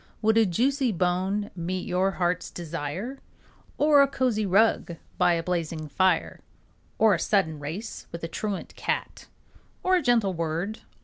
Would a juicy bone meet your heart's desire? Or a cozy rug by a blazing fire? Or a sudden race with a truant cat? Or a gentle word?